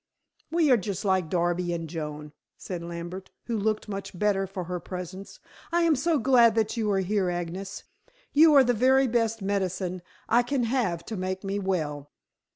"We are just like Darby and Joan," said Lambert, who looked much better for her presence. "I am so glad you are here, Agnes. You are the very best medicine I can have to make me well."